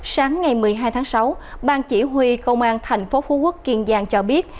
sáng ngày một mươi hai tháng sáu ban chỉ huy công an thành phố phú quốc kiên giang cho biết